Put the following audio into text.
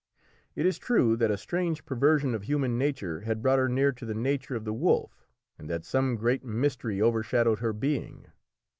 It is true that a strange perversion of human nature had brought her near to the nature of the wolf, and that some great mystery overshadowed her being.